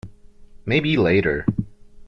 Maybe later.